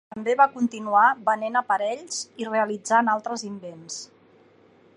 També va continuar venent aparells i realitzant altres invents.